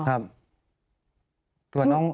ครับ